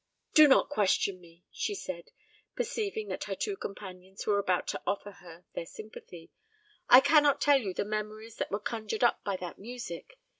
"Do not question me," she said, perceiving that her two companions were about to offer her their sympathy. "I cannot tell you the memories that were conjured up by that music.